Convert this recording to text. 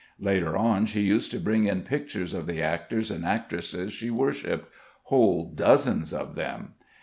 Later on she used to bring in pictures of the actors and actresses she worshipped whole dozens of them.